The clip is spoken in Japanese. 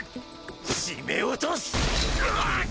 締め落とす！